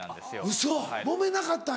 ウソもめなかったん？